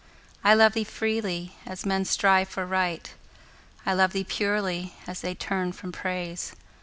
I love thee freely, as men strive for Right; I love thee purely, as they turn from Praise.